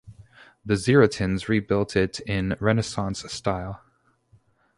The Zierotins rebuilt it in Renaissance style.